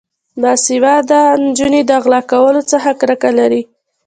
باسواده نجونې د غلا کولو څخه کرکه لري.